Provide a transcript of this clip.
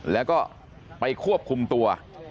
แล้วก็ไปควบคุมตัว